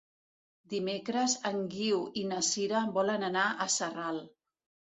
Dimecres en Guiu i na Sira volen anar a Sarral.